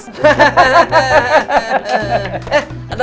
karena kangen sama daddy